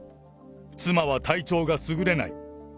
妻は体調がすぐれない。